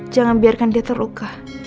jangan biarkan dia terluka